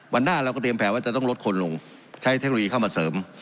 หน้าเราก็เตรียมแผนว่าจะต้องลดคนลงใช้เทคโนโลยีเข้ามาเสริม